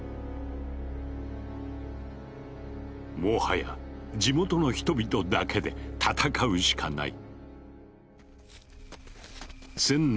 もはや地元の人々だけで戦うしかない。